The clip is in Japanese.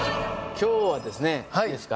今日はですねいいですか？